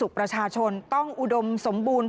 เข้าไปเห็นตัวครั้งนี้